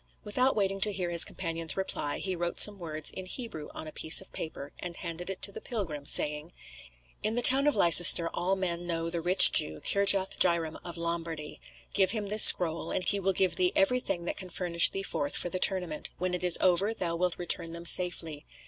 Without waiting to hear his companion's reply, he wrote some words in Hebrew on a piece of paper, and handed it to the pilgrim, saying: "In the town of Leicester all men know the rich Jew, Kirjath Jairam of Lombardy; give him this scroll, and he will give thee everything that can furnish thee forth for the tournament; when it is over thou wilt return them safely.